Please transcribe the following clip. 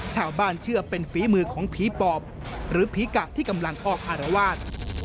เชื่อเป็นฝีมือของผีปอบหรือผีกะที่กำลังออกอารวาส